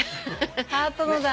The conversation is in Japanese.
ハートのだ。